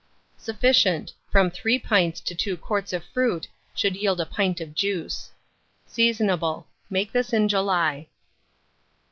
Sufficient. From 3 pints to 2 quarts of fruit should yield a pint of juice. Seasonable. Make this in July.